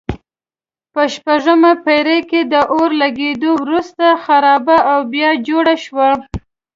په شپږمه پېړۍ کې د اور لګېدو وروسته خرابه او بیا جوړه شوه.